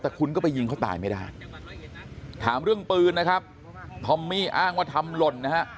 แต่คุณก็ไปยิงเขาตายไม่ได้ถามเรื่องปืนนะครับทอมมี่อ้างว่าทำหล่นนะฮะ